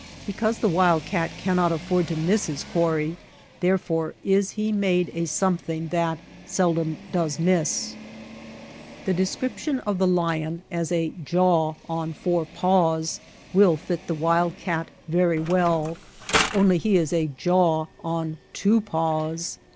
Because the wild cat cannot afford to miss his quarry, there fore is he made a something that seldom does miss. The description of the lion as ^^a jaw on four paws " will fit the wild cat very well — only he is a jaw on two paws.